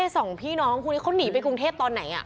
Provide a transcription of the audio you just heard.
สองพี่น้องเขาหนีไปกรุงเทพฯตอนไหน